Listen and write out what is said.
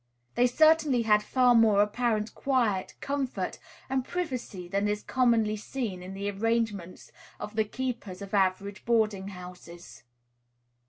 They certainly had far more apparent quiet, comfort, and privacy than is commonly seen in the arrangements of the keepers of average boarding houses.